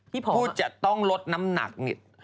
พี่ผอมอะผู้จะต้องลดน้ำหนักนี่